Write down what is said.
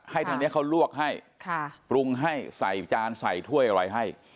ทางนี้เขาลวกให้ปรุงให้ใส่จานใส่ถ้วยอะไรให้